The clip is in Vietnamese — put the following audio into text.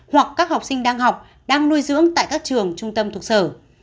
hoặc các học sinh đang học đang nuôi dưỡng tại các trường trung tâm thuộc sở